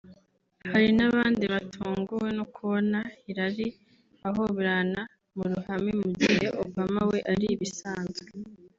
Hari n’abandi batunguwe no kubona Hillary ahoberana mu ruhame mu gihe Obama we ari ibisanzwe